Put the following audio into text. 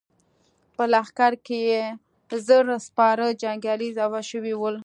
په لښکر کې يې زر سپاره جنګيالي اضافه شوي ول.